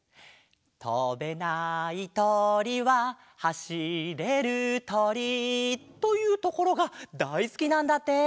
「とべないとりははしれるとり」というところがだいすきなんだって。